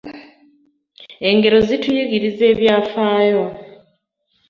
Engero zituyigiriza ebyafaayo.